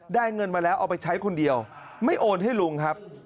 เงินมาแล้วเอาไปใช้คนเดียวไม่โอนให้ลุงครับ